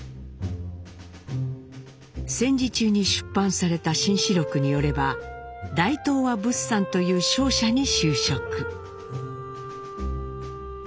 戦時中に出版された紳士録によれば大東亜物産という商社に就職。